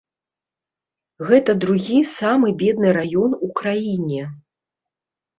Гэта другі самы бедны раён у краіне.